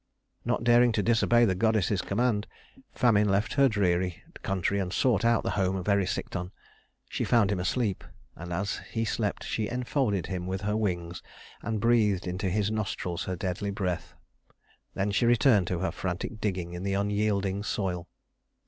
Not daring to disobey the goddess's command, Famine left her dreary country and sought out the home of Erysichthon. She found him asleep; and as he slept she enfolded him with her wings, and breathed into his nostrils her deadly breath. Then she returned to her frantic digging in the unyielding soil.